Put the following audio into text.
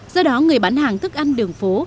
do đó người bán hàng thức ăn đường phố